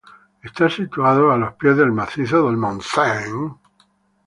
Está situado a los pies del macizo del Montseny.